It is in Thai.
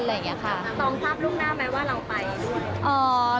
ตรงภาพลูกหน้าไหมว่าเราไปด้วย